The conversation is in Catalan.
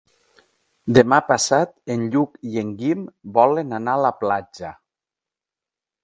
Demà passat en Lluc i en Guim volen anar a la platja.